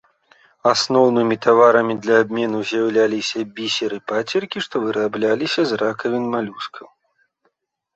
Асноўным таварамі для абмену з'яўляліся бісер і пацеркі, што вырабляліся з ракавін малюскаў.